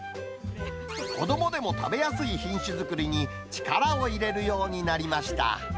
子どもでも食べやすい品種づくりに、力を入れるようになりました。